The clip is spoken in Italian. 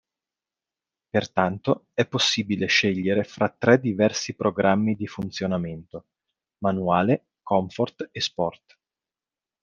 Pertanto è possibile scegliere fra tre diversi programmi di funzionamento: "Manuale", "Comfort" e "Sport".